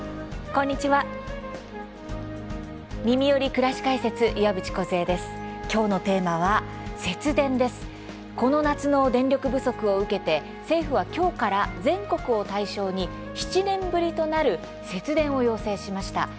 この夏の電力不足を受けて政府はきょうから全国を対象に７年ぶりとなる節電を要請しました。